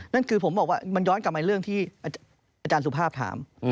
นั่นคือผมบอกว่ามันย้อนกลับมาเรื่องที่อาจารย์สุภาพถาม